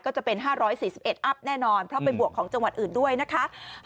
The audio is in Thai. ก็จะเป็น๕๔๑อัพแน่นอนเพราะไปบวกของจังหวัดอื่นด้วยนะคะ